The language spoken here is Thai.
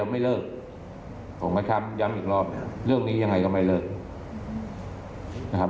ฟังท่านเพิ่มค่ะบอกว่าถ้าผู้ต้องหาหรือว่าคนก่อเหตุฟังอยู่